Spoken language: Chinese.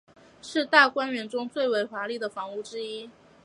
是大观园中最为华丽的房屋之一。